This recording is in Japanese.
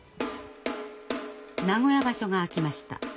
名古屋場所が開きました。